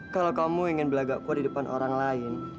kalau kamu ingin berlagak kuat di depan orang lain